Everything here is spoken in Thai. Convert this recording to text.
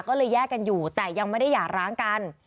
ก็เลยแยกกันอยู่แต่ยังไม่ได้หย่าร้างกัน